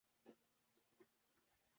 تیرا شکر ادا کروں اور جب تک زندہ رہوں